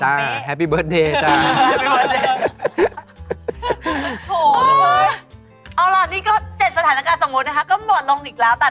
เหลือตัวนาวสั่น